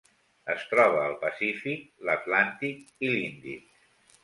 Es troba al Pacífic, l'Atlàntic i l'Índic.